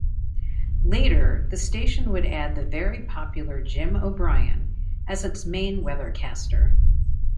Later, the station would add the very popular Jim O'Brien as its main weathercaster.